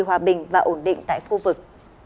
hòa bình và ổn định tại khu vực